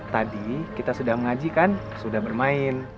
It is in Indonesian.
tadi kita sudah mengajikan sudah bermain